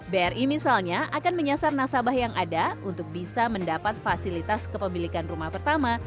bri misalnya akan menyasar nasabah yang ada untuk bisa mendapat fasilitas kepemilikan rumah pertama